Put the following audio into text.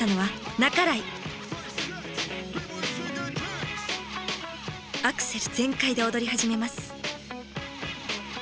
アクセル全開で踊り始めます。